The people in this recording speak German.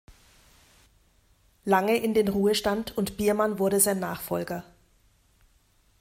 Lange in den Ruhestand und Biermann wurde sein Nachfolger.